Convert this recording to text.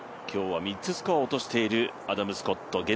今日は３つスコアを落としているアダム・スコット